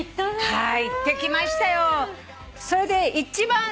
はい。